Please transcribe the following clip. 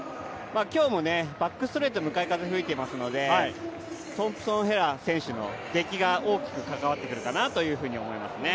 今日もバックストレート、向かい風が吹いていますので、トンプソン・ヘラ選手の出来が大きく関わってくるかなと思いますね。